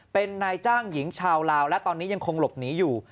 เป็นนายจ้างหญิงชาวลาวและตอนนี้ยังคงหลบหนีอยู่